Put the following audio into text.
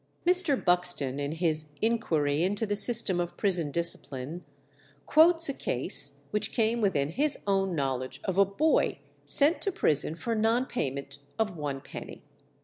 Mr. Buxton, in his 'Inquiry into the System of Prison Discipline,' quotes a case which came within his own knowledge of a boy sent to prison for non payment of one penny.